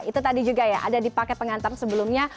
itu tadi juga ya ada dipakai pengantar sebelumnya